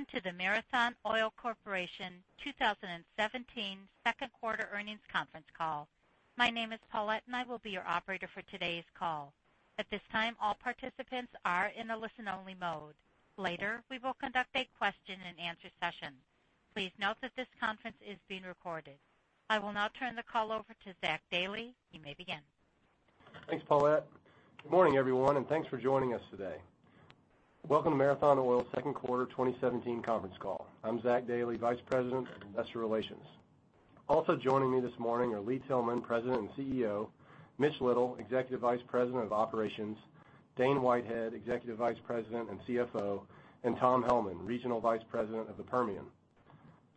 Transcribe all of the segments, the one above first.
Welcome to the Marathon Oil Corporation 2017 second quarter earnings conference call. My name is Paulette, and I will be your operator for today's call. At this time, all participants are in a listen-only mode. Later, we will conduct a question and answer session. Please note that this conference is being recorded. I will now turn the call over to Zach Dailey. You may begin. Thanks, Paulette. Good morning, everyone, thanks for joining us today. Welcome to Marathon Oil's second quarter 2017 conference call. I'm Zach Dailey, Vice President of Investor Relations. Also joining me this morning are Lee Tillman, President and CEO; Mitch Little, Executive Vice President of Operations; Dane Whitehead, Executive Vice President and CFO; Tom Hellman, Regional Vice President of the Permian.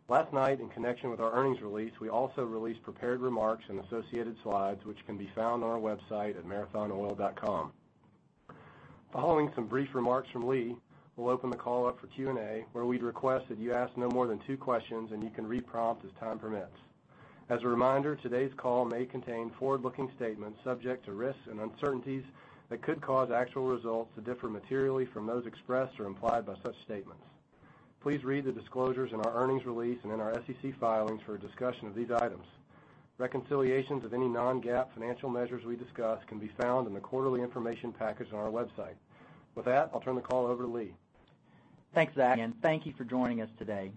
Last night, in connection with our earnings release, we also released prepared remarks and associated slides, which can be found on our website at marathonoil.com. Following some brief remarks from Lee, we'll open the call up for Q&A, where we'd request that you ask no more than two questions, you can reprompt as time permits. As a reminder, today's call may contain forward-looking statements subject to risks and uncertainties that could cause actual results to differ materially from those expressed or implied by such statements. Please read the disclosures in our earnings release and in our SEC filings for a discussion of these items. Reconciliations of any non-GAAP financial measures we discuss can be found in the quarterly information package on our website. With that, I'll turn the call over to Lee. Thanks, Zach, thank you for joining us today.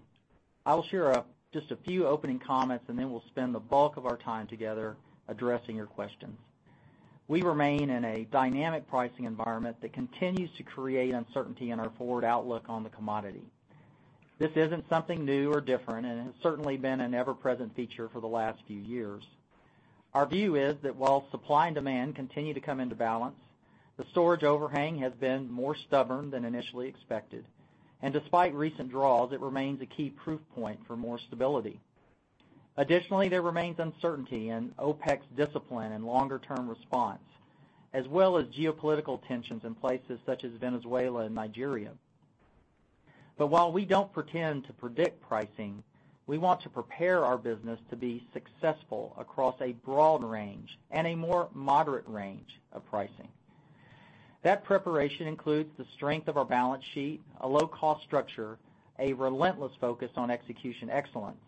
I will share just a few opening comments, then we'll spend the bulk of our time together addressing your questions. We remain in a dynamic pricing environment that continues to create uncertainty in our forward outlook on the commodity. This isn't something new or different, it has certainly been an ever-present feature for the last few years. Our view is that while supply and demand continue to come into balance, the storage overhang has been more stubborn than initially expected. Despite recent draws, it remains a key proof point for more stability. Additionally, there remains uncertainty in OPEC's discipline and longer-term response, as well as geopolitical tensions in places such as Venezuela and Nigeria. While we do not pretend to predict pricing, we want to prepare our business to be successful across a broad range and a more moderate range of pricing. That preparation includes the strength of our balance sheet, a low-cost structure, a relentless focus on execution excellence,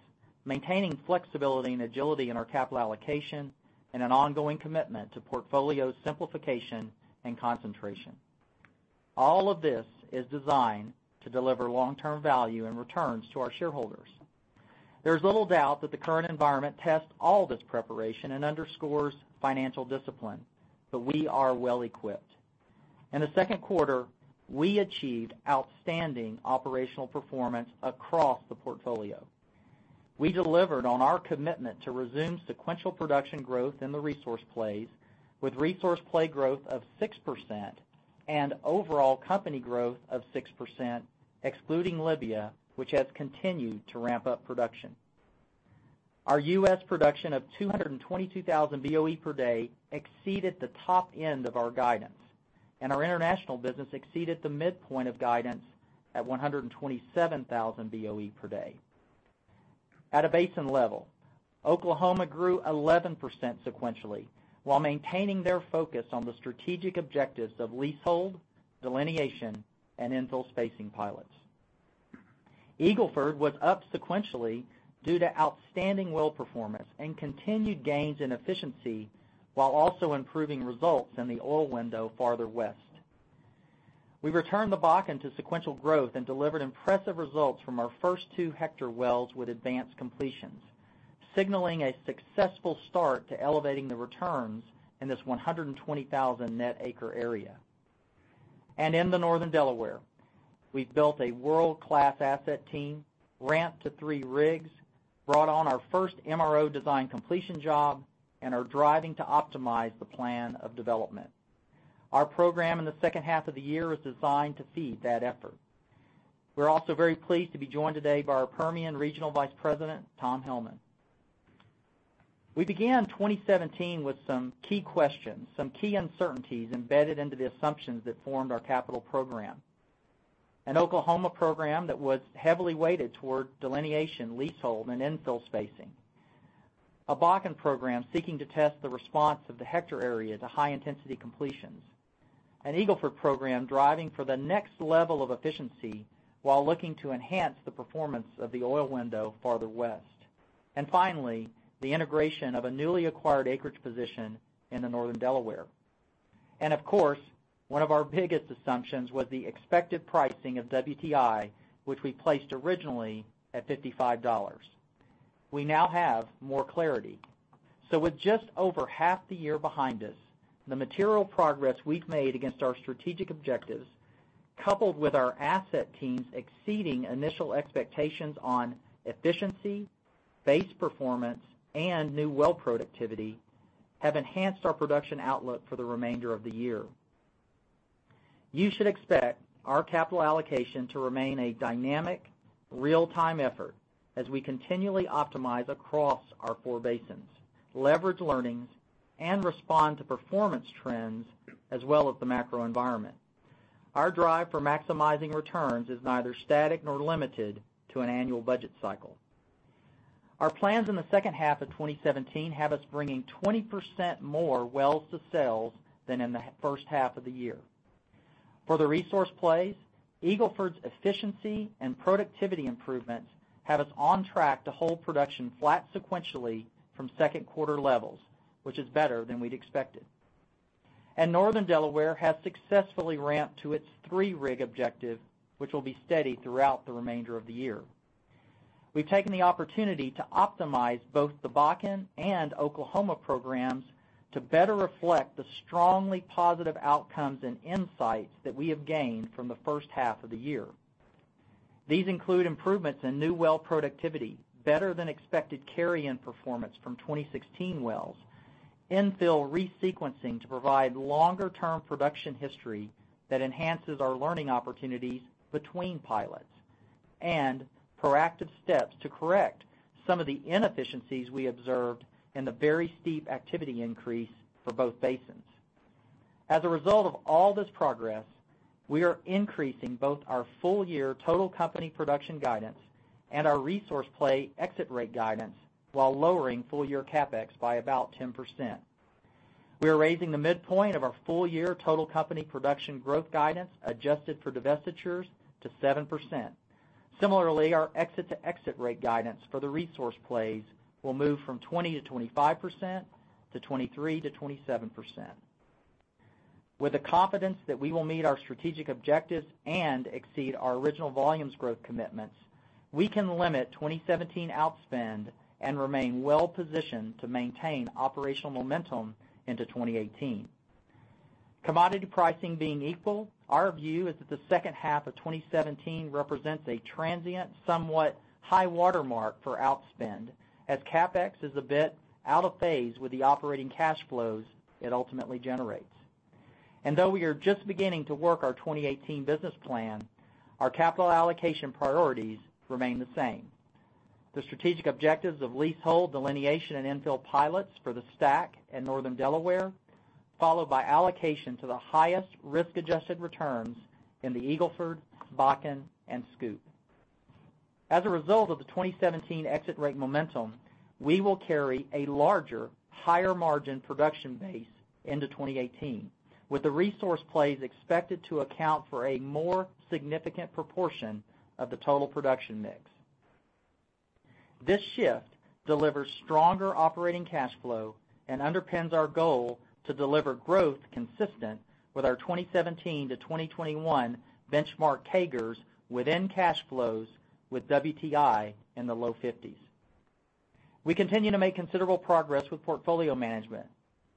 maintaining flexibility and agility in our capital allocation, and an ongoing commitment to portfolio simplification and concentration. All of this is designed to deliver long-term value and returns to our shareholders. There's little doubt that the current environment tests all this preparation and underscores financial discipline, but we are well-equipped. In the second quarter, we achieved outstanding operational performance across the portfolio. We delivered on our commitment to resume sequential production growth in the resource plays, with resource play growth of 6% and overall company growth of 6%, excluding Libya, which has continued to ramp up production. Our U.S. production of 222,000 BOE per day exceeded the top end of our guidance, and our international business exceeded the midpoint of guidance at 127,000 BOE per day. At a basin level, Oklahoma grew 11% sequentially while maintaining their focus on the strategic objectives of leasehold, delineation, and infill spacing pilots. Eagle Ford was up sequentially due to outstanding well performance and continued gains in efficiency while also improving results in the oil window farther west. We returned the Bakken to sequential growth and delivered impressive results from our first two Hector wells with advanced completions, signaling a successful start to elevating the returns in this 120,000 net acre area. In the Northern Delaware, we've built a world-class asset team, ramped to three rigs, brought on our first MRO-designed completion job, and are driving to optimize the plan of development. Our program in the second half of the year is designed to feed that effort. We're also very pleased to be joined today by our Permian regional vice president, Tom Hellman. We began 2017 with some key questions, some key uncertainties embedded into the assumptions that formed our capital program. An Oklahoma program that was heavily weighted toward delineation, leasehold, and infill spacing. A Bakken program seeking to test the response of the Hector area to high-intensity completions. An Eagle Ford program driving for the next level of efficiency while looking to enhance the performance of the oil window farther west. Finally, the integration of a newly acquired acreage position in the northern Delaware. Of course, one of our biggest assumptions was the expected pricing of WTI, which we placed originally at $55. We now have more clarity. With just over half the year behind us, the material progress we've made against our strategic objectives, coupled with our asset teams exceeding initial expectations on efficiency, base performance, and new well productivity, have enhanced our production outlook for the remainder of the year. You should expect our capital allocation to remain a dynamic, real-time effort as we continually optimize across our four basins, leverage learnings, and respond to performance trends as well as the macro environment. Our drive for maximizing returns is neither static nor limited to an annual budget cycle. Our plans in the second half of 2017 have us bringing 20% more wells to sales than in the first half of the year. For the resource plays, Eagle Ford's efficiency and productivity improvements have us on track to hold production flat sequentially from second quarter levels, which is better than we'd expected. Northern Delaware has successfully ramped to its three-rig objective, which will be steady throughout the remainder of the year. We've taken the opportunity to optimize both the Bakken and Oklahoma programs to better reflect the strongly positive outcomes and insights that we have gained from the first half of the year. These include improvements in new well productivity, better than expected carry-in performance from 2016 wells, infill re-sequencing to provide longer-term production history that enhances our learning opportunities between pilots, and proactive steps to correct some of the inefficiencies we observed in the very steep activity increase for both basins. As a result of all this progress, we are increasing both our full-year total company production guidance and our resource play exit rate guidance while lowering full-year CapEx by about 10%. We are raising the midpoint of our full-year total company production growth guidance adjusted for divestitures to 7%. Similarly, our exit-to-exit rate guidance for the resource plays will move from 20%-25%, to 23%-27%. With the confidence that we will meet our strategic objectives and exceed our original volumes growth commitments, we can limit 2017 outspend and remain well-positioned to maintain operational momentum into 2018. Commodity pricing being equal, our view is that the second half of 2017 represents a transient, somewhat high watermark for outspend as CapEx is a bit out of phase with the operating cash flows it ultimately generates. Though we are just beginning to work our 2018 business plan, our capital allocation priorities remain the same. The strategic objectives of leasehold delineation and infill pilots for the STACK and Northern Delaware, followed by allocation to the highest risk-adjusted returns in the Eagle Ford, Bakken, and SCOOP. As a result of the 2017 exit rate momentum, we will carry a larger, higher-margin production base into 2018, with the resource plays expected to account for a more significant proportion of the total production mix. This shift delivers stronger operating cash flow and underpins our goal to deliver growth consistent with our 2017-2021 benchmark CAGR within cash flows with WTI in the low 50s. We continue to make considerable progress with portfolio management.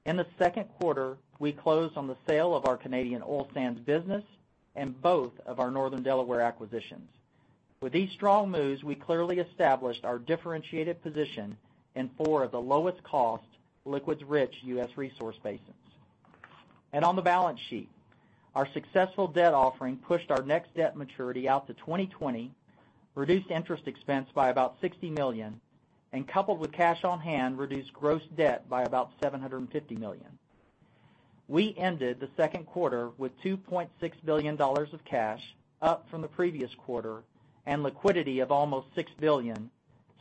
In the second quarter, we closed on the sale of our Canadian oil sands business and both of our Northern Delaware acquisitions. With these strong moves, we clearly established our differentiated position in four of the lowest cost, liquids-rich U.S. resource basins. On the balance sheet, our successful debt offering pushed our next debt maturity out to 2020, reduced interest expense by about $60 million, and coupled with cash on hand, reduced gross debt by about $750 million. We ended the second quarter with $2.6 billion of cash, up from the previous quarter, and liquidity of almost $6 billion,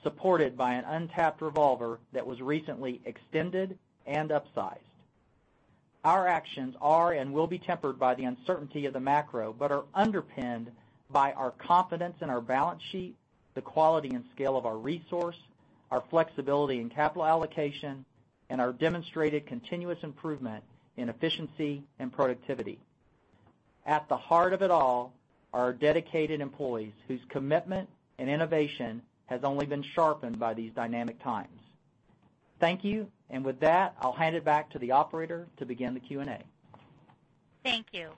supported by an untapped revolver that was recently extended and upsized. Our actions are and will be tempered by the uncertainty of the macro, but are underpinned by our confidence in our balance sheet, the quality and scale of our resource, our flexibility in capital allocation, and our demonstrated continuous improvement in efficiency and productivity. At the heart of it all are our dedicated employees whose commitment and innovation has only been sharpened by these dynamic times. Thank you. With that, I'll hand it back to the operator to begin the Q&A. Thank you.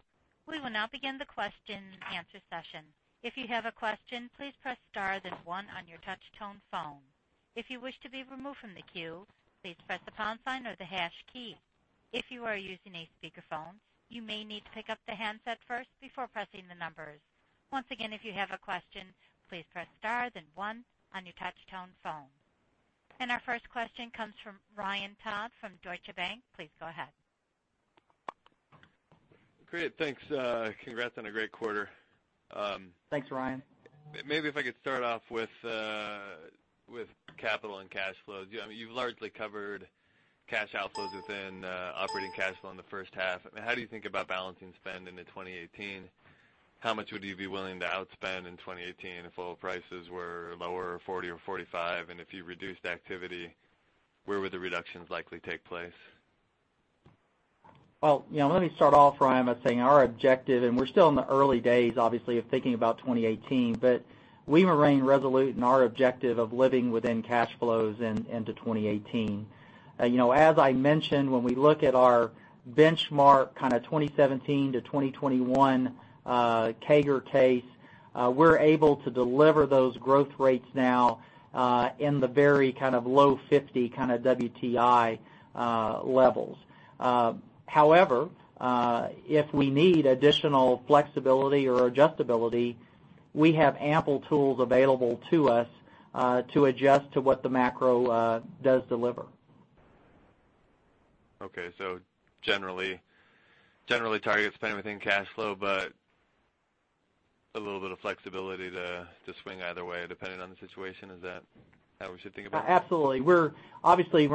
We will now begin the question and answer session. If you have a question, please press star then one on your touch-tone phone. If you wish to be removed from the queue, please press the pound sign or the hash key. If you are using a speakerphone, you may need to pick up the handset first before pressing the numbers. Once again, if you have a question, please press star then one on your touch-tone phone. Our first question comes from Ryan Todd from Deutsche Bank. Please go ahead. Great. Thanks. Congrats on a great quarter. Thanks, Ryan. Maybe if I could start off with capital and cash flows. You've largely covered cash outflows within operating cash flow in the first half. How do you think about balancing spend into 2018? How much would you be willing to outspend in 2018 if oil prices were lower, $40 or $45, and if you reduced activity, where would the reductions likely take place? Let me start off, Ryan, by saying our objective, and we're still in the early days, obviously, of thinking about 2018, but we remain resolute in our objective of living within cash flows into 2018. As I mentioned, when we look at our benchmark kind of 2017 to 2021 CAGR case, we're able to deliver those growth rates now in the very low $50 kind of WTI levels. If we need additional flexibility or adjustability, we have ample tools available to us to adjust to what the macro does deliver. Okay. Generally target spending within cash flow, a little bit of flexibility to swing either way depending on the situation. Is that how we should think about that? Absolutely. We're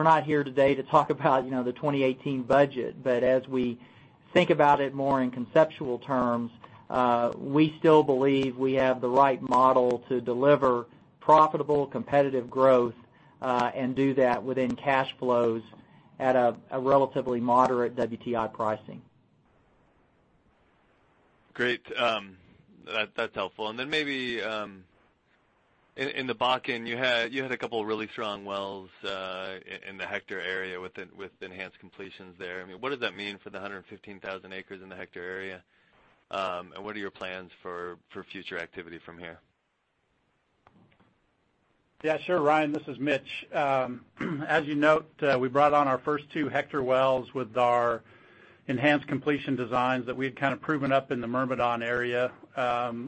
not here today to talk about the 2018 budget, as we think about it more in conceptual terms, we still believe we have the right model to deliver profitable, competitive growth, and do that within cash flows at a relatively moderate WTI pricing. Great. That's helpful. Then maybe, in the Bakken, you had a couple of really strong wells in the Hector area with enhanced completions there. What does that mean for the 115,000 acres in the Hector area? What are your plans for future activity from here? Yeah, sure, Ryan. This is Mitch. As you note, we brought on our first two Hector wells with our enhanced completion designs that we had kind of proven up in the Meramec area.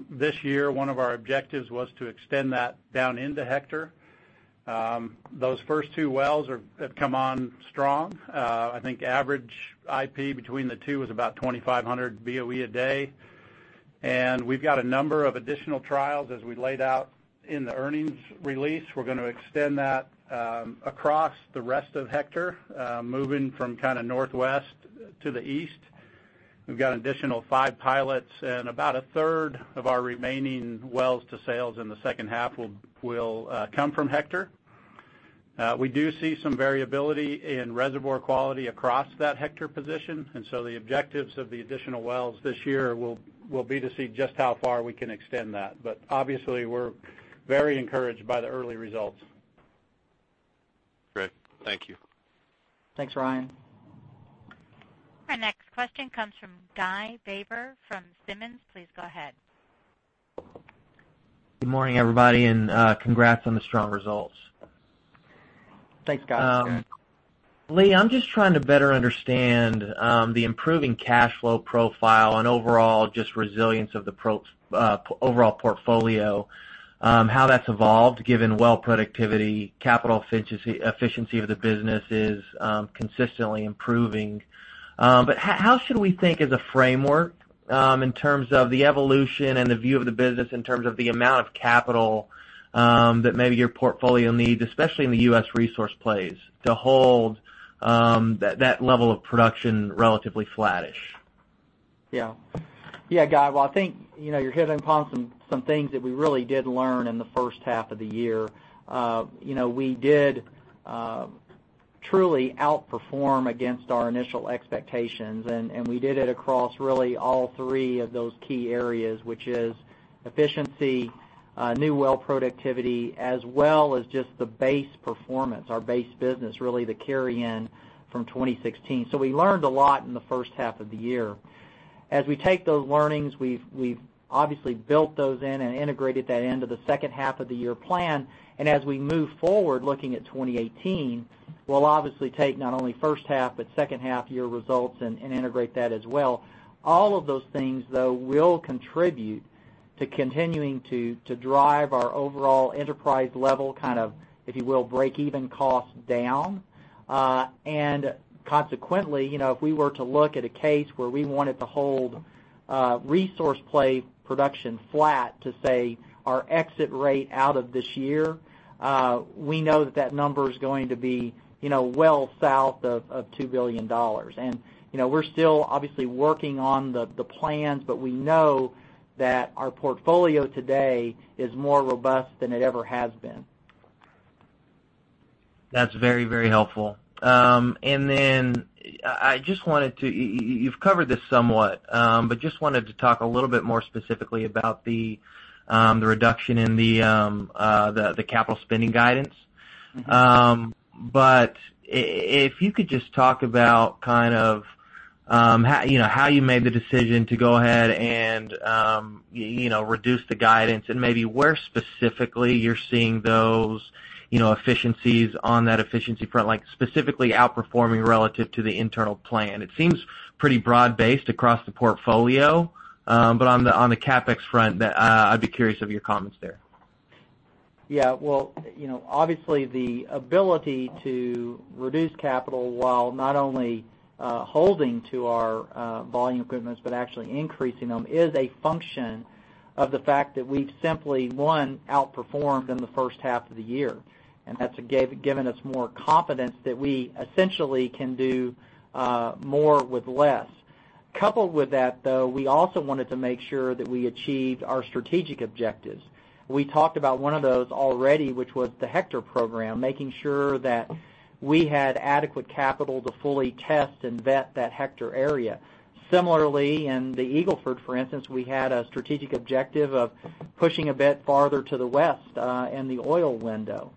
This year, one of our objectives was to extend that down into Hector. Those first two wells have come on strong. I think average IP between the two was about 2,500 BOE a day. We've got a number of additional trials as we laid out in the earnings release. We're going to extend that across the rest of Hector, moving from kind of northwest to the east. We've got additional five pilots and about a third of our remaining wells to sales in the second half will come from Hector. We do see some variability in reservoir quality across that Hector position. So the objectives of the additional wells this year will be to see just how far we can extend that. Obviously, we're very encouraged by the early results. Great. Thank you. Thanks, Ryan. Our next question comes from Guy Baber from Simmons. Please go ahead. Good morning, everybody, and congrats on the strong results. Thanks, Guy. Lee, I'm just trying to better understand the improving cash flow profile and overall just resilience of the overall portfolio, how that's evolved given well productivity, capital efficiency of the business is consistently improving. How should we think as a framework in terms of the evolution and the view of the business in terms of the amount of capital that maybe your portfolio needs, especially in the U.S. resource plays, to hold that level of production relatively flattish? Yeah. Guy, well, I think you're hitting upon some things that we really did learn in the first half of the year. We did truly outperform against our initial expectations, and we did it across really all three of those key areas, which is efficiency, new well productivity, as well as just the base performance, our base business, really the carry-in from 2016. We learned a lot in the first half of the year. As we take those learnings, we've obviously built those in and integrated that into the second half of the year plan. As we move forward looking at 2018, we'll obviously take not only first half but second half year results and integrate that as well. All of those things, though, will contribute to continuing to drive our overall enterprise level, if you will, break-even cost down. Consequently, if we were to look at a case where we wanted to hold resource play production flat to, say, our exit rate out of this year, we know that that number is going to be well south of $2 billion. We're still obviously working on the plans, but we know that our portfolio today is more robust than it ever has been. That's very helpful. Then I just wanted to-- you've covered this somewhat, but just wanted to talk a little bit more specifically about the reduction in the capital spending guidance. If you could just talk about how you made the decision to go ahead and reduce the guidance and maybe where specifically you're seeing those efficiencies on that efficiency front, specifically outperforming relative to the internal plan. It seems pretty broad-based across the portfolio. On the CapEx front, I'd be curious of your comments there. Obviously the ability to reduce capital while not only holding to our volume commitments, but actually increasing them, is a function of the fact that we've simply, one, outperformed in the first half of the year. That's given us more confidence that we essentially can do more with less. Coupled with that, though, we also wanted to make sure that we achieved our strategic objectives. We talked about one of those already, which was the Hector program, making sure that we had adequate capital to fully test and vet that Hector area. Similarly, in the Eagle Ford, for instance, we had a strategic objective of pushing a bit farther to the west in the oil window.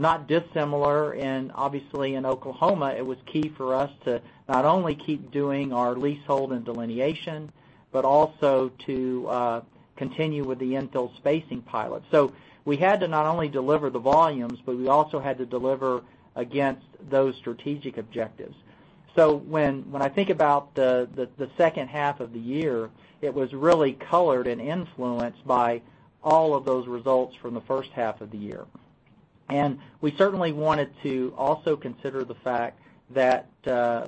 Not dissimilar obviously in Oklahoma, it was key for us to not only keep doing our leasehold and delineation, but also to continue with the infill spacing pilot. We had to not only deliver the volumes, but we also had to deliver against those strategic objectives. When I think about the second half of the year, it was really colored and influenced by all of those results from the first half of the year. We certainly wanted to also consider the fact that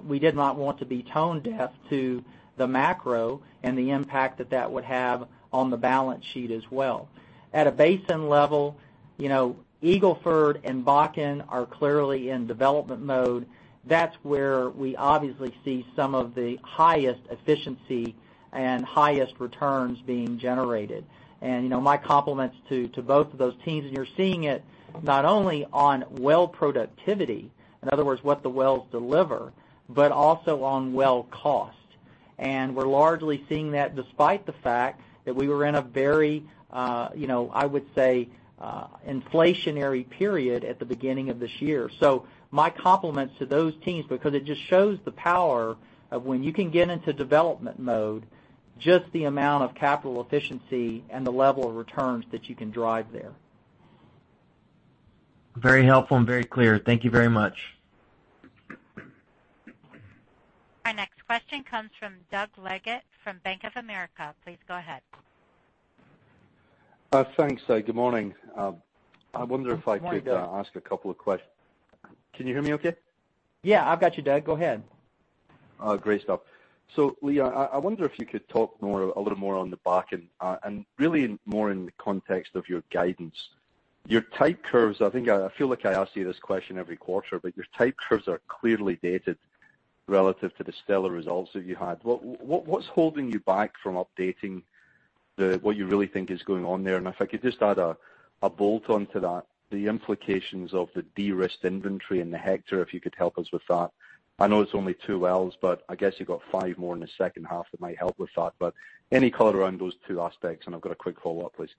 we did not want to be tone deaf to the macro and the impact that that would have on the balance sheet as well. At a basin level, Eagle Ford and Bakken are clearly in development mode. That's where we obviously see some of the highest efficiency and highest returns being generated. My compliments to both of those teams. You're seeing it not only on well productivity, in other words, what the wells deliver, but also on well cost. We're largely seeing that despite the fact that we were in a very, I would say, inflationary period at the beginning of this year. My compliments to those teams, because it just shows the power of when you can get into development mode, just the amount of capital efficiency and the level of returns that you can drive there. Very helpful and very clear. Thank you very much. Our next question comes from Doug Leggate from Bank of America. Please go ahead. Thanks. Good morning. I wonder if I could. Good morning, Doug. I ask a couple of questions. Can you hear me okay? Yeah, I've got you, Doug. Go ahead. Great stuff. Lee, I wonder if you could talk a little more on the Bakken, and really more in the context of your guidance. Your type curves, I feel like I ask you this question every quarter, but your type curves are clearly dated relative to the stellar results that you had. What's holding you back from updating what you really think is going on there? If I could just add a bolt onto that, the implications of the de-risked inventory in the Hector, if you could help us with that. I know it's only two wells, but I guess you've got five more in the second half that might help with that. Any color around those two aspects, and I've got a quick follow-up, please.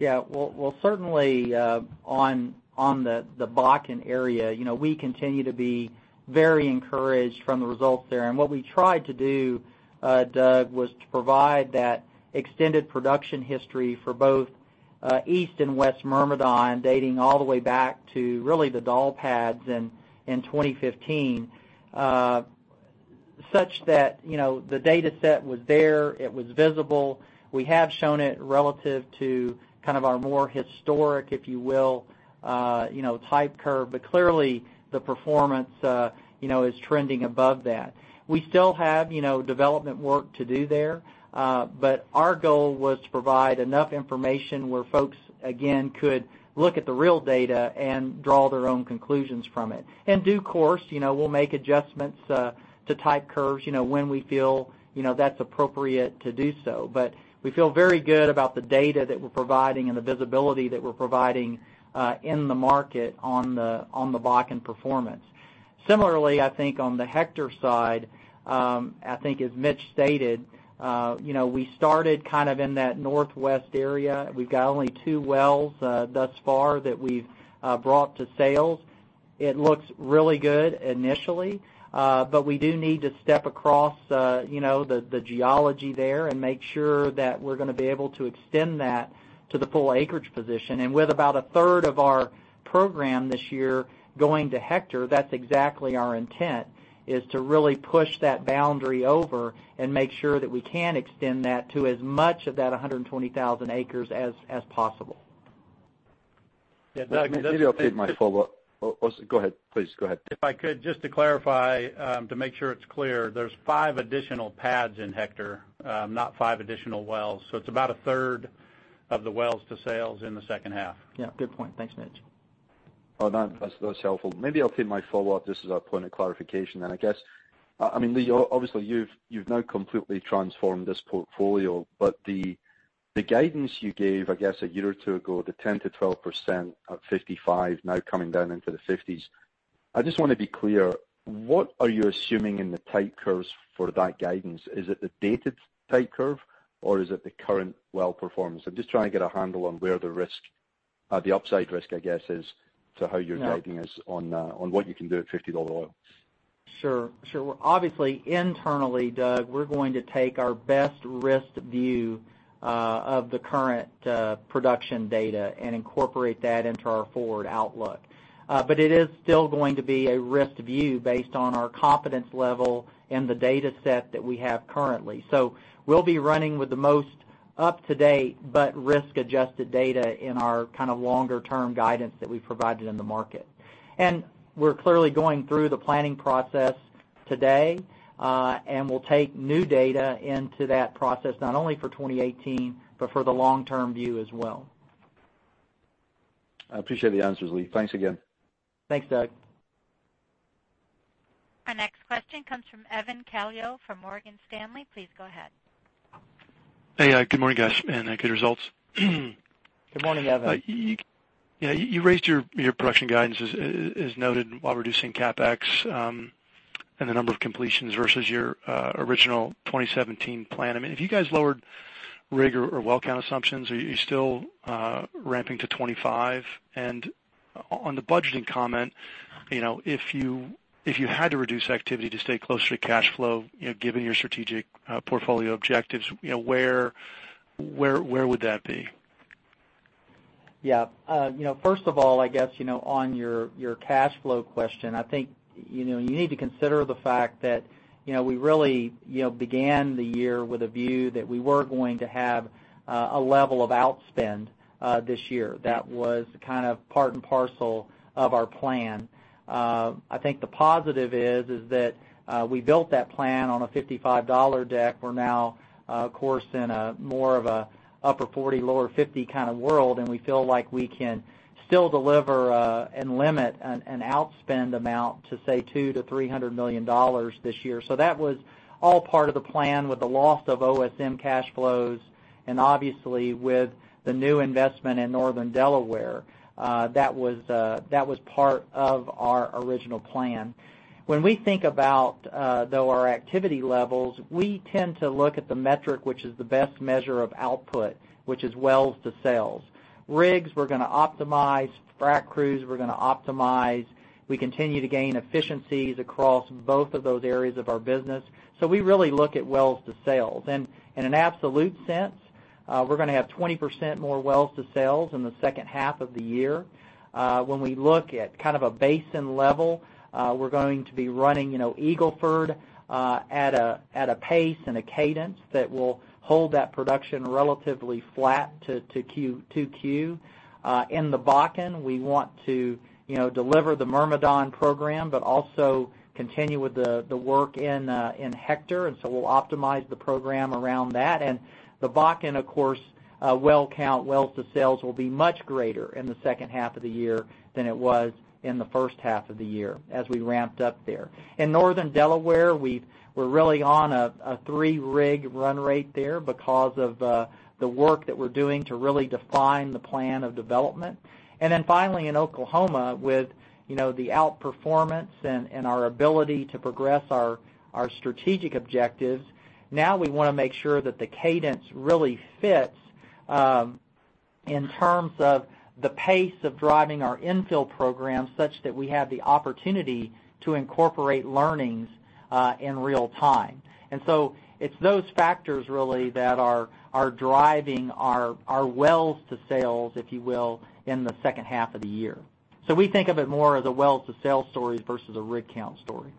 Yeah. Well, certainly on the Bakken area, we continue to be very encouraged from the results there. What we tried to do, Doug, was to provide that extended production history for both East and West Myrmidon, dating all the way back to really the drill pads in 2015 such that the data set was there, it was visible. We have shown it relative to our more historic, if you will, type curve. Clearly, the performance is trending above that. We still have development work to do there. Our goal was to provide enough information where folks, again, could look at the real data and draw their own conclusions from it. In due course, we'll make adjustments to type curves when we feel that's appropriate to do so. We feel very good about the data that we're providing and the visibility that we're providing in the market on the Bakken performance. Similarly, I think on the Hector side, I think as Mitch stated, we started in that northwest area. We've got only two wells thus far that we've brought to sales. It looks really good initially. We do need to step across the geology there and make sure that we're going to be able to extend that to the full acreage position. With about a third of our program this year going to Hector, that's exactly our intent, is to really push that boundary over and make sure that we can extend that to as much of that 120,000 acres as possible. Yeah, Doug. Maybe I'll take my follow-up. Go ahead. Please, go ahead. If I could, just to clarify to make sure it's clear, there's five additional pads in Hector, not five additional wells. It's about a third of the wells to sales in the second half. Yeah, good point. Thanks, Mitch. All right. That's helpful. Maybe I'll take my follow-up. Just as a point of clarification, I guess. Lee, obviously, you've now completely transformed this portfolio, but the guidance you gave, I guess, a year or two ago, the 10%-12% at $55 now coming down into the $50s. I just want to be clear, what are you assuming in the type curves for that guidance? Is it the dated type curve, or is it the current well performance? I'm just trying to get a handle on where the upside risk, I guess, is to how you're guiding us on what you can do at $50 oil. Sure. Obviously, internally, Doug, we're going to take our best risked view of the current production data and incorporate that into our forward outlook. It is still going to be a risked view based on our confidence level and the data set that we have currently. We'll be running with the most up-to-date, but risk-adjusted data in our longer-term guidance that we provided in the market. We're clearly going through the planning process today, and we'll take new data into that process, not only for 2018, but for the long-term view as well. I appreciate the answers, Lee. Thanks again. Thanks, Doug. Our next question comes from Evan Calio from Morgan Stanley. Please go ahead. Hey. Good morning, guys, and good results. Good morning, Evan. You raised your production guidance as noted while reducing CapEx and the number of completions versus your original 2017 plan. If you guys lowered rig or well count assumptions, are you still ramping to 25? On the budgeting comment, if you had to reduce activity to stay closer to cash flow, given your strategic portfolio objectives, where would that be? First of all, I guess, on your cash flow question, I think you need to consider the fact that we really began the year with a view that we were going to have a level of outspend this year that was part and parcel of our plan. I think the positive is that we built that plan on a $55 deck. We're now, of course, in a more of a upper 40, lower 50 kind of world, we feel like we can still deliver and limit an outspend amount to, say, $200 million-$300 million this year. That was all part of the plan with the loss of OML cash flows and obviously with the new investment in Northern Delaware. That was part of our original plan. When we think about, though, our activity levels, we tend to look at the metric which is the best measure of output, which is wells to sales. Rigs, we're going to optimize. Frac crews, we're going to optimize. We continue to gain efficiencies across both of those areas of our business. We really look at wells to sales. In an absolute sense, we're going to have 20% more wells to sales in the second half of the year. When we look at a basin level, we're going to be running Eagle Ford at a pace and a cadence that will hold that production relatively flat to Q2Q. In the Bakken, we want to deliver the Myrmidon program, but also continue with the work in Hector, we'll optimize the program around that. The Bakken, of course, well count, wells to sales will be much greater in the second half of the year than it was in the first half of the year as we ramped up there. In Northern Delaware, we're really on a 3-rig run rate there because of the work that we're doing to really define the plan of development. Finally, in Oklahoma, with the outperformance and our ability to progress our strategic objectives, now we want to make sure that the cadence really fits, in terms of the pace of driving our infill program, such that we have the opportunity to incorporate learnings in real time. It's those factors, really, that are driving our wells to sales, if you will, in the second half of the year. We think of it more as a wells to sales story versus a rig count story.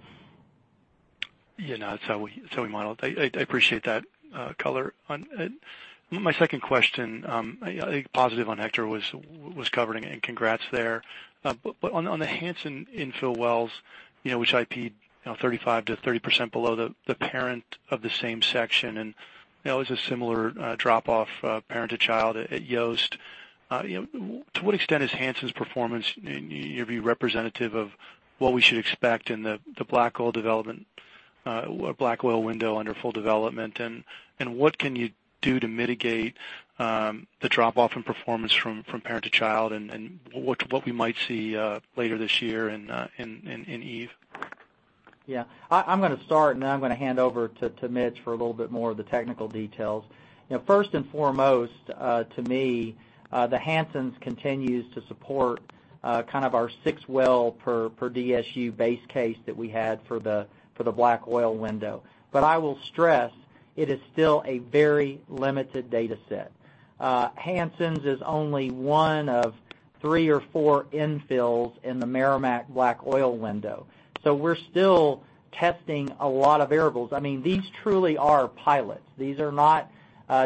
That's how we model it. I appreciate that color. My second question, I think positive on Hector was covered, and congrats there. On the Hansens infill wells, which IP'd 35%-30% below the parent of the same section, there was a similar drop-off parent to child at Yost. To what extent is Hansens' performance, in your view, representative of what we should expect in the black oil window under full development? What can you do to mitigate the drop-off in performance from parent to child and what we might see later this year in Eve? I'm going to start, and then I'm going to hand over to Mitch for a little bit more of the technical details. First and foremost, to me, the Hansens continues to support our six well per DSU base case that we had for the black oil window. I will stress it is still a very limited data set. Hansens is only one of three or four infills in the Meramec black oil window. We're still testing a lot of variables. These truly are pilots. These are not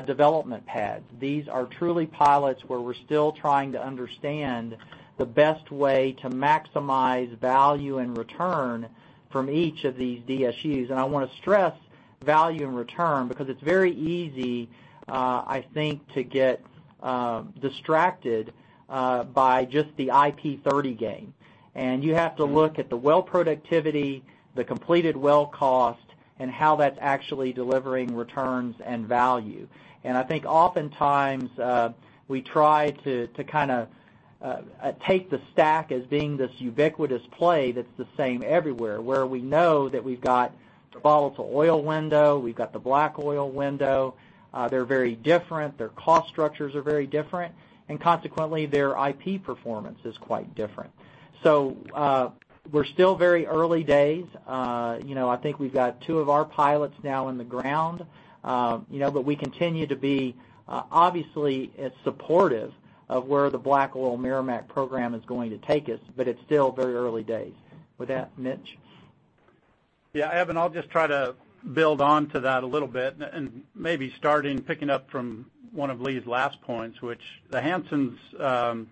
development pads. These are truly pilots where we're still trying to understand the best way to maximize value and return from each of these DSUs. I want to stress value and return because it's very easy, I think, to get distracted by just the IP 30 game. You have to look at the well productivity, the completed well cost, and how that's actually delivering returns and value. I think oftentimes, we try to take the STACK as being this ubiquitous play that's the same everywhere, where we know that we've got the volatile oil window, we've got the black oil window. They're very different. Their cost structures are very different, and consequently, their IP performance is quite different. We're still very early days. I think we've got two of our pilots now in the ground. We continue to be obviously as supportive of where the black oil Meramec program is going to take us, but it's still very early days. With that, Mitch? Evan, I'll just try to build on to that a little bit and maybe starting picking up from one of Lee's last points, which the Hansens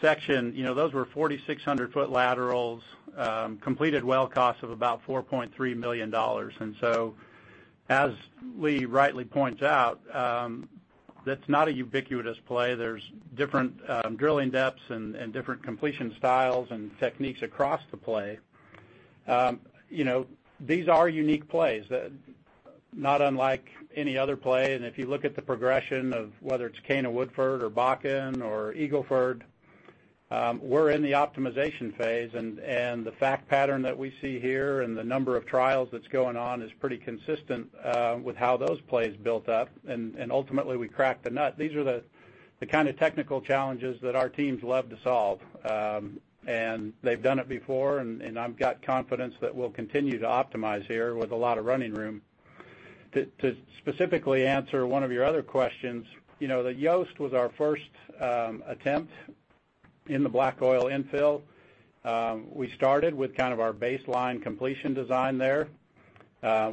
section, those were 4,600-foot laterals, completed well costs of about $4.3 million. As Lee rightly points out, that's not a ubiquitous play. There's different drilling depths and different completion styles and techniques across the play. These are unique plays, not unlike any other play, if you look at the progression of whether it's Cana-Woodford or Bakken or Eagle Ford, we're in the optimization phase, the fact pattern that we see here and the number of trials that's going on is pretty consistent with how those plays built up, ultimately, we crack the nut. These are the kind of technical challenges that our teams love to solve. They've done it before, I've got confidence that we'll continue to optimize here with a lot of running room. To specifically answer one of your other questions, the Yost was our first attempt in the black oil infill. We started with our baseline completion design there.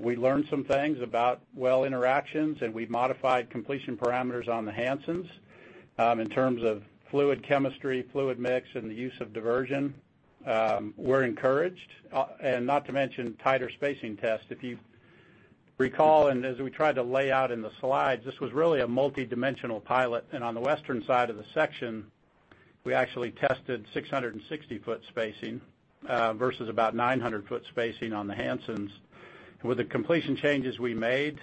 We learned some things about well interactions, and we modified completion parameters on the Hansens. In terms of fluid chemistry, fluid mix, and the use of diversion, we're encouraged, not to mention tighter spacing test. If you recall, as we tried to lay out in the slides, this was really a multidimensional pilot, on the western side of the section, we actually tested 660-foot spacing, versus about 900-foot spacing on the Hansens. With the completion changes we made,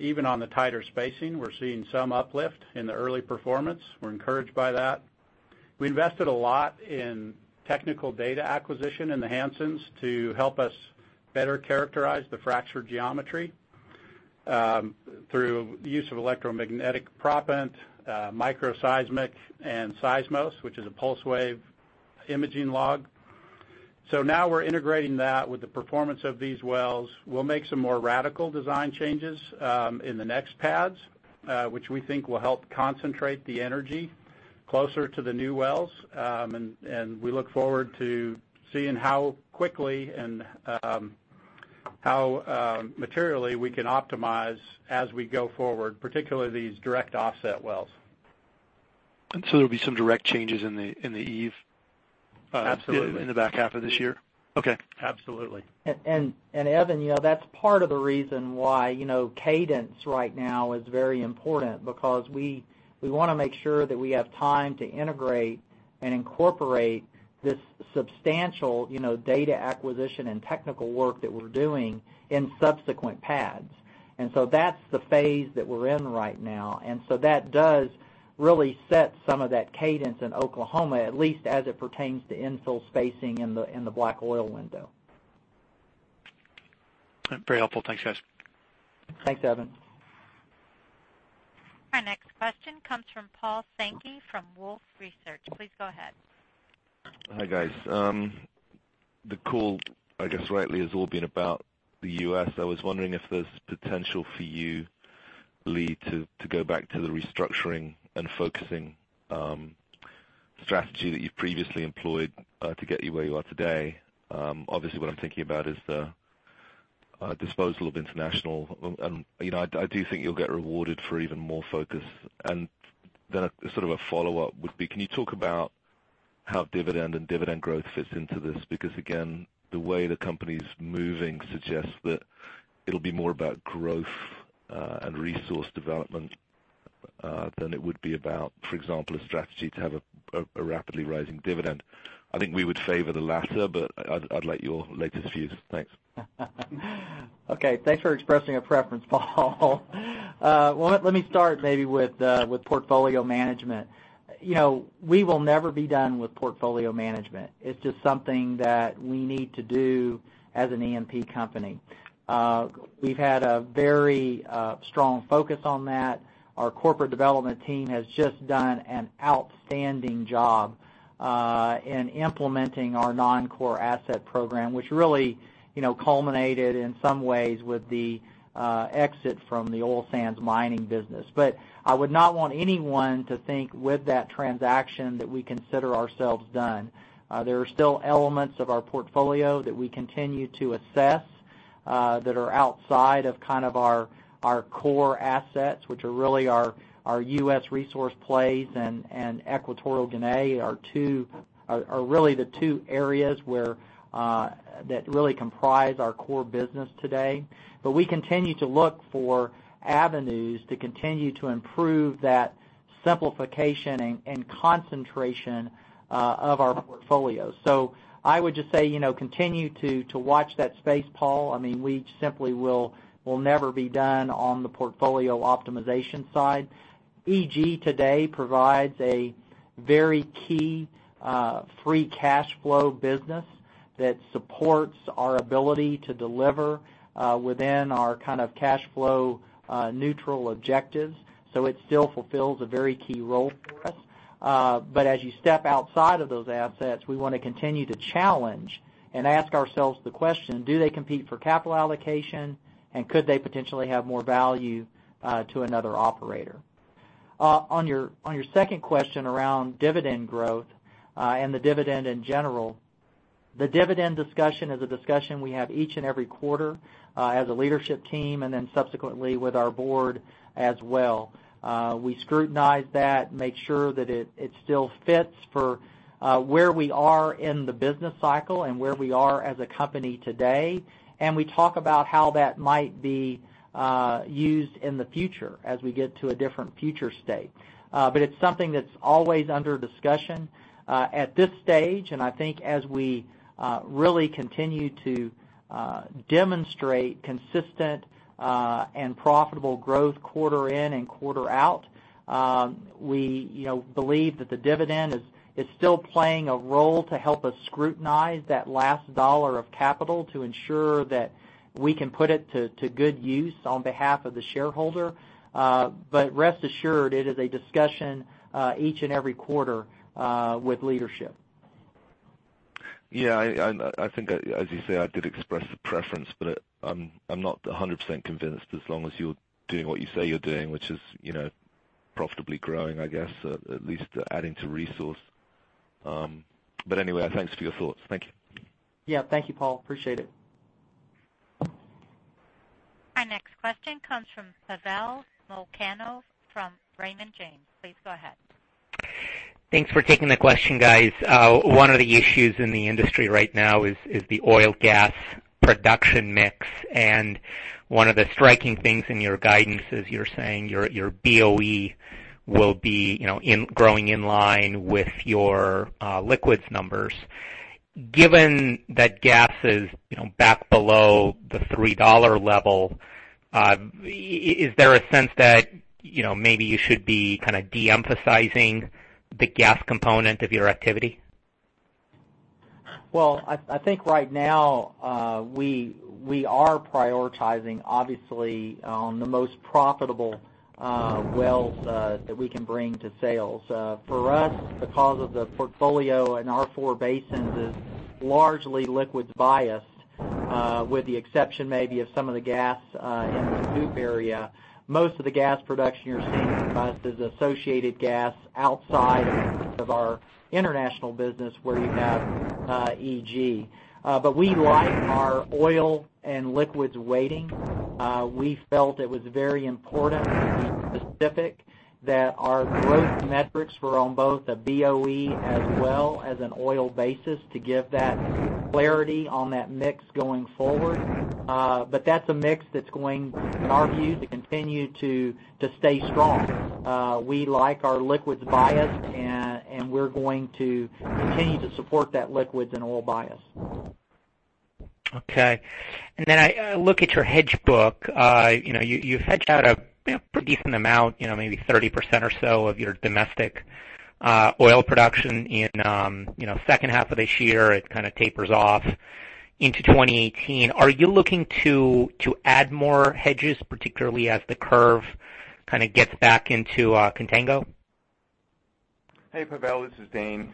even on the tighter spacing, we're seeing some uplift in the early performance. We're encouraged by that. We invested a lot in technical data acquisition in the Hansens to help us better characterize the fracture geometry, through use of electromagnetic proppant, microseismic, and Seismos, which is a pulse wave imaging log. Now we're integrating that with the performance of these wells. We'll make some more radical design changes in the next pads, which we think will help concentrate the energy closer to the new wells. We look forward to seeing how quickly and how materially we can optimize as we go forward, particularly these direct offset wells. There'll be some direct changes in the Absolutely. In the back half of this year? Okay. Absolutely. Evan, that's part of the reason why cadence right now is very important, because we want to make sure that we have time to integrate and incorporate this substantial data acquisition and technical work that we're doing in subsequent pads. So that's the phase that we're in right now. So that does really set some of that cadence in Oklahoma, at least as it pertains to infill spacing in the black oil window. Very helpful. Thanks, guys. Thanks, Evan. Our next question comes from Paul Sankey from Wolfe Research. Please go ahead. Hi, guys. The call, I guess rightly, has all been about the U.S. I was wondering if there's potential for you, Lee, to go back to the restructuring and focusing strategy that you've previously employed, to get you where you are today. Obviously, what I'm thinking about is the disposal of international. I do think you'll get rewarded for even more focus. A follow-up would be, can you talk about how dividend and dividend growth fits into this? Again, the way the company's moving suggests that it'll be more about growth, and resource development, than it would be about, for example, a strategy to have a rapidly rising dividend. I think we would favor the latter, but I'd like your latest views. Thanks. Okay. Thanks for expressing a preference, Paul. Let me start maybe with portfolio management. We will never be done with portfolio management. It's just something that we need to do as an E&P company. We've had a very strong focus on that. Our corporate development team has just done an outstanding job in implementing our non-core asset program, which really culminated in some ways with the exit from the oil sands mining business. I would not want anyone to think with that transaction that we consider ourselves done. There are still elements of our portfolio that we continue to assess, that are outside of our core assets, which are really our U.S. resource plays and Equatorial Guinea are really the two areas that really comprise our core business today. We continue to look for avenues to continue to improve that simplification and concentration of our portfolio. I would just say, continue to watch that space, Paul. We simply will never be done on the portfolio optimization side. EG today provides a very key free cash flow business that supports our ability to deliver within our cash flow neutral objectives. It still fulfills a very key role for us. As you step outside of those assets, we want to continue to challenge and ask ourselves the question, do they compete for capital allocation, and could they potentially have more value to another operator? On your second question around dividend growth, and the dividend in general, the dividend discussion is a discussion we have each and every quarter, as a leadership team, subsequently with our board as well. We scrutinize that, make sure that it still fits for where we are in the business cycle and where we are as a company today. We talk about how that might be used in the future as we get to a different future state. It's something that's always under discussion. At this stage, I think as we really continue to demonstrate consistent and profitable growth quarter in and quarter out, we believe that the dividend is still playing a role to help us scrutinize that last dollar of capital to ensure that we can put it to good use on behalf of the shareholder. Rest assured, it is a discussion each and every quarter with leadership. I think as you say, I did express a preference, I'm not 100% convinced as long as you're doing what you say you're doing, which is profitably growing, I guess, at least adding to resource. Anyway, thanks for your thoughts. Thank you. Thank you, Paul. Appreciate it. Our next question comes from Pavel Molchanov from Raymond James. Please go ahead. Thanks for taking the question, guys. One of the issues in the industry right now is the oil gas production mix, and one of the striking things in your guidance is you're saying your BOE will be growing in line with your liquids numbers. Given that gas is back below the $3 level, is there a sense that maybe you should be kind of de-emphasizing the gas component of your activity? Well, I think right now, we are prioritizing, obviously, the most profitable wells that we can bring to sales. For us, because of the portfolio in our four basins is largely liquids biased, with the exception maybe of some of the gas in the SCOOP area. Most of the gas production you're seeing from us is associated gas outside of our international business where you have EG. We like our oil and liquids weighting. We felt it was very important to be specific that our growth metrics were on both a BOE as well as an oil basis to give that clarity on that mix going forward. That's a mix that's going, in our view, to continue to stay strong. We like our liquids bias, and we're going to continue to support that liquids and oil bias. Okay. I look at your hedge book. You've hedged out a pretty decent amount, maybe 30% or so of your domestic oil production in second half of this year. It kind of tapers off into 2018. Are you looking to add more hedges, particularly as the curve kind of gets back into contango? Hey, Pavel, this is Dane.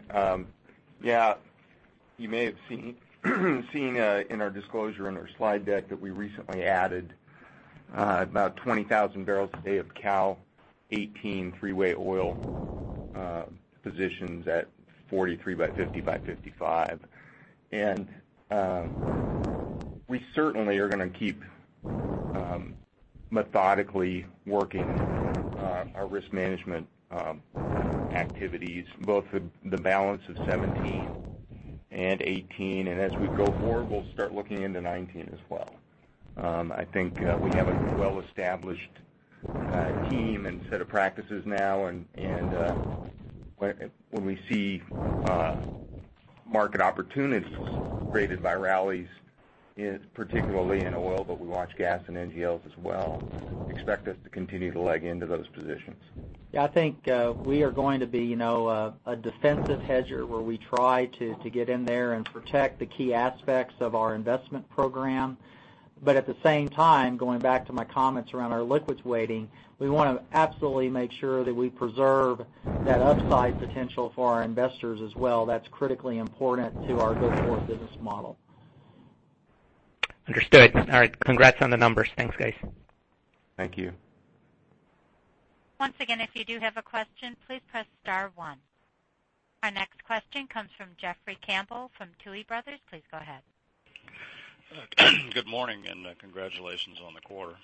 Yeah, you may have seen in our disclosure in our slide deck that we recently added about 20,000 barrels a day of Cal 2018 three-way oil positions at $43 by $50 by $55. We certainly are going to keep methodically working our risk management activities, both the balance of 2017 and 2018. As we go forward, we'll start looking into 2019 as well. I think we have a well-established team and set of practices now, and when we see market opportunities created by rallies, particularly in oil, but we watch gas and NGLs as well, expect us to continue to leg into those positions. Yeah, I think we are going to be a defensive hedger where we try to get in there and protect the key aspects of our investment program. At the same time, going back to my comments around our liquids weighting, we want to absolutely make sure that we preserve that upside potential for our investors as well. That's critically important to our go-forward business model. Understood. All right. Congrats on the numbers. Thanks, guys. Thank you. Once again, if you do have a question, please press *1. Our next question comes from Jeffrey Campbell from Tuohy Brothers. Please go ahead. Good morning, and congratulations on the quarter.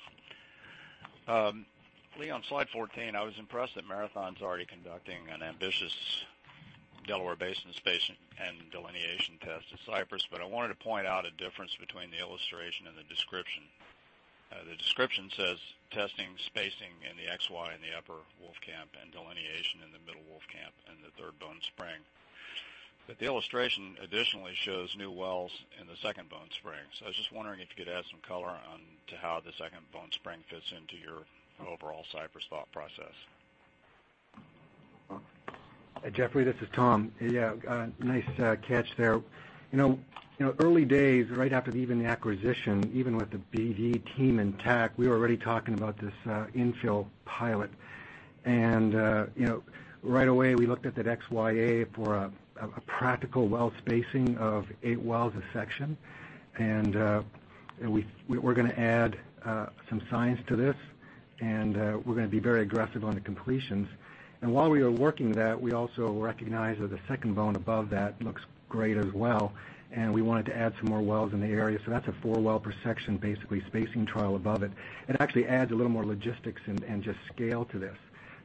Lee, on slide 14, I was impressed that Marathon's already conducting an ambitious Delaware Basin spacing and delineation test at Cypress, but I wanted to point out a difference between the illustration and the description. The description says testing spacing in the XY in the Upper Wolfcamp and delineation in the Middle Wolfcamp and the third Bone Spring. The illustration additionally shows new wells in the second Bone Spring. I was just wondering if you could add some color onto how the second Bone Spring fits into your overall Cypress thought process. Jeffrey, this is Tom. Yeah, nice catch there. Early days, right after even the acquisition, even with the BC Operating team intact, we were already talking about this infill pilot. Right away, we looked at that XYA for a practical well spacing of 8 wells a section. We're going to add some science to this, and we're going to be very aggressive on the completions. While we were working that, we also recognized that the second Bone above that looks great as well, and we wanted to add some more wells in the area. That's a 4-well-per-section basically spacing trial above it, actually adds a little more logistics and just scale to this.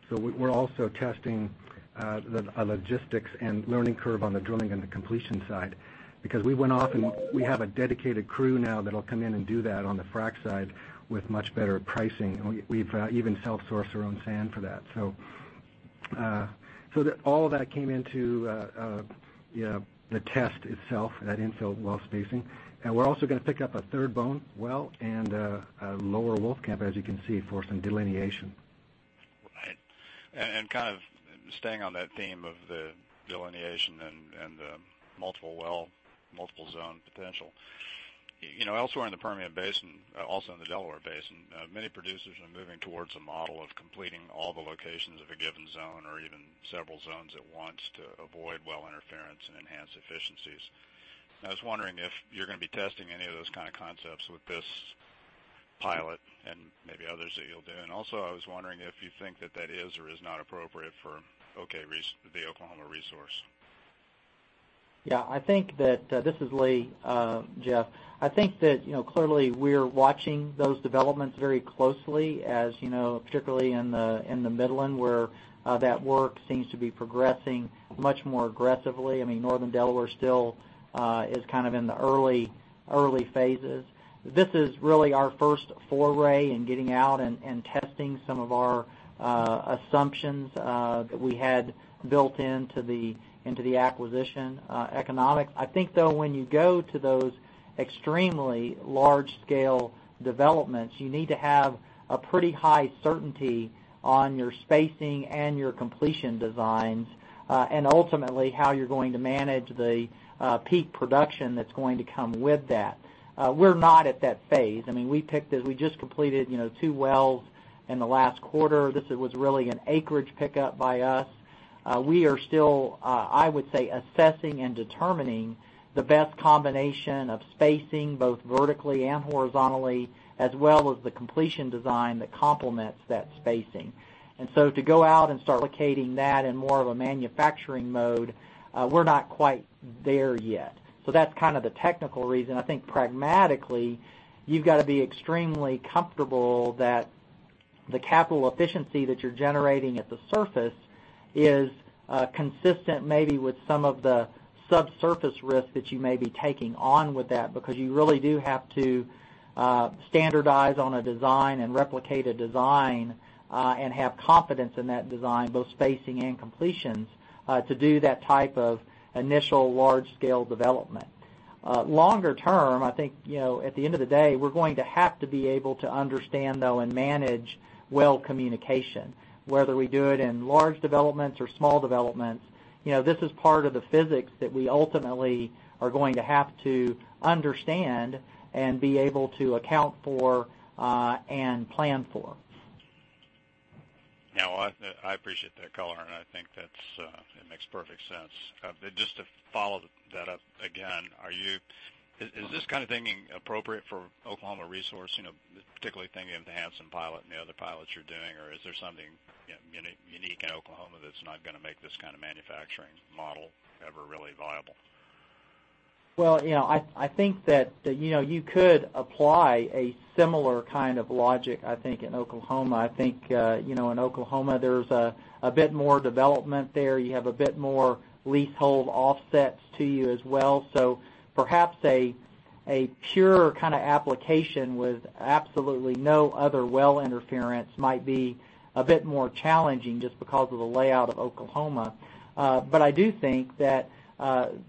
We're also testing a logistics and learning curve on the drilling and the completion side, because we went off and we have a dedicated crew now that'll come in and do that on the frac side with much better pricing. We've even self-sourced our own sand for that. All that came into the test itself, that infill well spacing. We're also going to pick up a third Bone well and a lower Wolfcamp, as you can see, for some delineation. Right. Kind of staying on that theme of the delineation and the multiple well, multiple zone potential. Elsewhere in the Permian Basin, also in the Delaware Basin, many producers are moving towards a model of completing all the locations of a given zone or even several zones at once to avoid well interference and enhance efficiencies. I was wondering if you're going to be testing any of those kind of concepts with this pilot and maybe others that you'll do. Also, I was wondering if you think that that is or is not appropriate for the Oklahoma resource. Yeah. This is Lee, Jeff. I think that clearly we're watching those developments very closely as particularly in the Midland, where that work seems to be progressing much more aggressively. Northern Delaware still is kind of in the early phases. This is really our first foray in getting out and testing some of our assumptions that we had built into the acquisition economics. I think, though, when you go to those extremely large-scale developments, you need to have a pretty high certainty on your spacing and your completion designs, and ultimately, how you're going to manage the peak production that's going to come with that. We're not at that phase. We just completed 2 wells in the last quarter. This was really an acreage pickup by us. We are still, I would say, assessing and determining the best combination of spacing, both vertically and horizontally, as well as the completion design that complements that spacing. To go out and start locating that in more of a manufacturing mode, we're not quite there yet. That's the technical reason. I think pragmatically, you've got to be extremely comfortable that the capital efficiency that you're generating at the surface is consistent maybe with some of the subsurface risk that you may be taking on with that, because you really do have to standardize on a design and replicate a design, and have confidence in that design, both spacing and completions, to do that type of initial large-scale development. Longer term, I think, at the end of the day, we're going to have to be able to understand, though, and manage well communication. Whether we do it in large developments or small developments, this is part of the physics that we ultimately are going to have to understand and be able to account for, and plan for. Yeah. Well, I appreciate that color, and I think that it makes perfect sense. Just to follow that up again, is this kind of thinking appropriate for Oklahoma resource, particularly thinking of the Hansen pilot and the other pilots you're doing? Or is there something unique in Oklahoma that's not going to make this kind of manufacturing model ever really viable? Well, I think that you could apply a similar kind of logic, I think, in Oklahoma. I think, in Oklahoma, there's a bit more development there. You have a bit more leasehold offsets to you as well. Perhaps a pure application with absolutely no other well interference might be a bit more challenging just because of the layout of Oklahoma. I do think that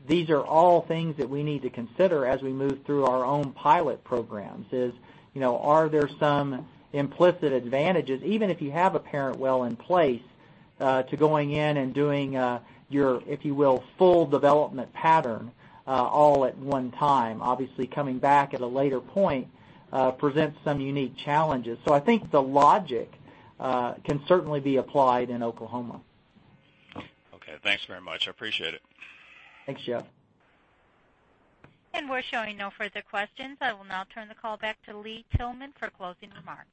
these are all things that we need to consider as we move through our own pilot programs is, are there some implicit advantages, even if you have a parent well in place, to going in and doing your, if you will, full development pattern all at one time? Obviously, coming back at a later point presents some unique challenges. I think the logic can certainly be applied in Oklahoma. Okay, thanks very much. I appreciate it. Thanks, Jeff. We're showing no further questions. I will now turn the call back to Lee Tillman for closing remarks.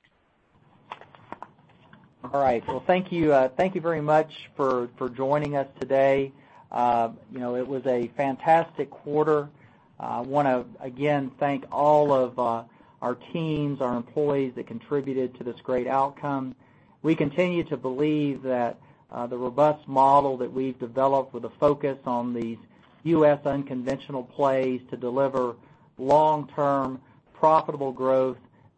All right. Well, thank you very much for joining us today. It was a fantastic quarter. I want to again thank all of our teams, our employees that contributed to this great outcome. We continue to believe that the robust model that we've developed with a focus on these U.S. unconventional plays to deliver long-term profitable growth,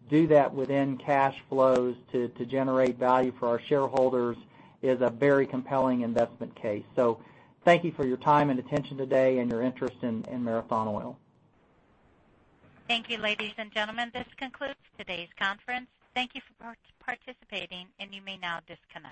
do that within cash flows to generate value for our shareholders is a very compelling investment case. Thank you for your time and attention today and your interest in Marathon Oil. Thank you, ladies and gentlemen. This concludes today's conference. Thank you for participating, and you may now disconnect.